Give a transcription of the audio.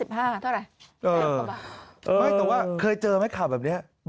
ไม่แต่ว่าเคยเจอไหมข่าวแบบนี้